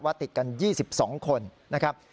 ติดกัน๒๒คนนะครับ